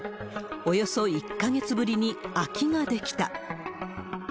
およそ１か月ぶりに空きが出来た。